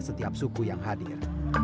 setiap suku yang hadir